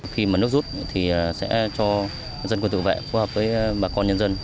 khi mà nước rút thì sẽ cho dân quân tự vệ phối hợp với bà con nhân dân